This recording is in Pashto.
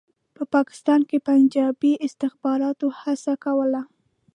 په پاکستان کې پنجابي استخباراتو هڅه کوله.